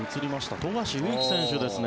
富樫勇樹選手ですね。